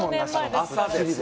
朝です。